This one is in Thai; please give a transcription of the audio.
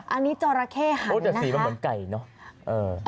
อันนี้เจาระเข้หันนะคะแต่สีมันเหมือนไก่เนอะ